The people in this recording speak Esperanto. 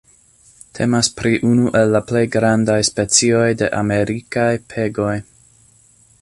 Temas pri unu el la plej grandaj specioj de amerikaj pegoj.